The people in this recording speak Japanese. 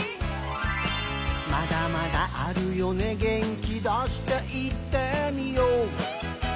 「まだまだあるよね元気出して言ってみよう」